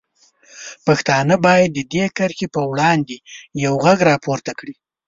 پښتانه باید د دې کرښې په وړاندې یوغږ راپورته کړي.